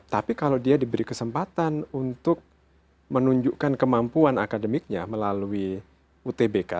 tapi kalau dia diberi kesempatan untuk menunjukkan kemampuan akademiknya melalui utbk